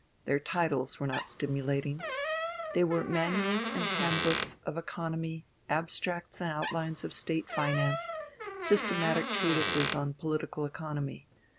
Their titles were not stimulating. They were manuals and hand hooks of economy, abstracts and outlines of State finance, systematic treatises on political economy.